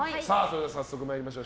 早速参りましょう。